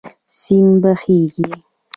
سیند بهېږي.